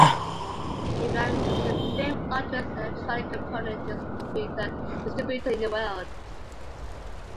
It ranks as the fifth largest electronic component distributor in the world.